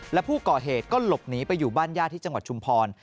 และผู้ก่อเหตุก็หลบหนีไปอยู่บ้านญาติที่จังหวัดชุมพร